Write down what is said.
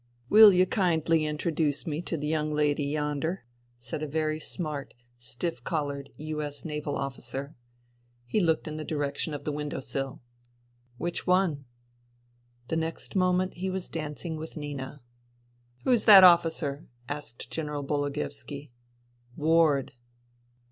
*'" Will you kindly introdooce me to the young lady yonder ?" said a very smart, stiff collared U.S. naval officer. He looked in the direction of the window sill. " Which one ?" The next moment he was dancing with Nina. *' Who's that officer ?" asked General Bologoevski. " Ward."